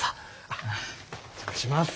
あっお邪魔します。